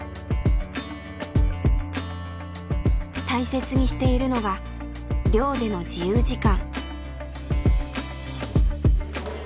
大切にしているのが寮での自由時間。